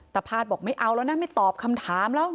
ตภาษณ์บอกไม่เอถไม่ตอบคำถามแล้ว